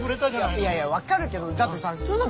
いやいやわかるけどだってさスーさん